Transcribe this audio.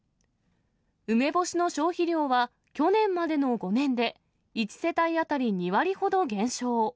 梅干しの消費量は、去年までの５年で１世帯当たり２割ほど減少。